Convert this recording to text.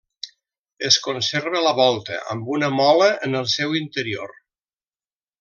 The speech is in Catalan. Es conserva la volta amb una mola en el seu interior.